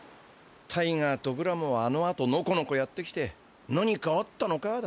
タイガーとグラモはあのあとのこのこやって来て「何かあったのか？」